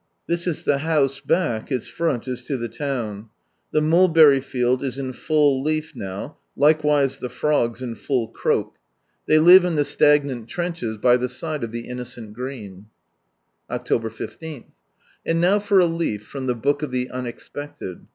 This is the house back; its front is to the town. The mulberry field is in full leaf now, likewise the frogs in full croak. They live in the stagnant trenches by the side of the innocent green. October 15.— And now for a leaf from the book of the unexpected.